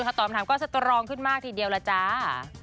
ถ้าตอบถามก็สตรองขึ้นมากทีเดียวล่ะจ้า